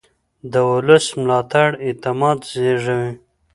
د ولس ملاتړ اعتماد زېږوي